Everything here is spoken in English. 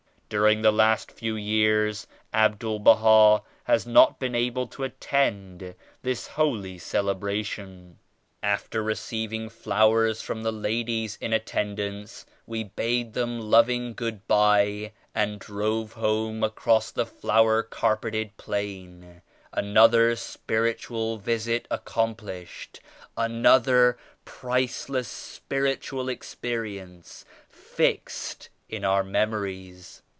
During the last few years Abdul Baha has not been able to attend this holy celebration. After receiving flowers from the ladies in attendance we bade them loving good bye and drove home across the flower carpeted plain; another spiritual visit accomp lished, another priceless spiritual experience fixed in our memories.